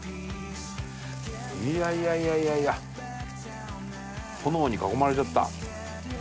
いやいやいやいやいや炎に囲まれちゃった。